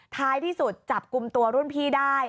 ท้ายที่สุดจับกลุ่มตัวรุ่นพี่ได้